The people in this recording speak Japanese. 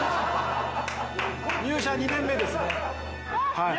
入社２年目ですね。